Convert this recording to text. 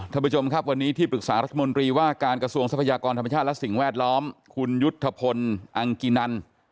ท่านผู้ชมครับวันนี้ที่ปรึกษารัฐมนตรีว่าการกระทรวงทรัพยากรธรรมชาติและสิ่งแวดล้อมคุณยุทธพลอังกินัน